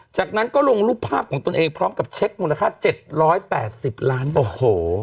จากนั้นก็ลงรูปภาพของตนเองพร้อมกับเช็คมูลค่าเจ็ดร้อยแปดสิบล้านโอ้โห